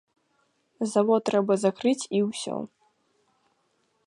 Завод трэба закрыць і ўсё.